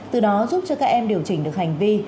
từ đó giúp cho các em điều chỉnh được hành vi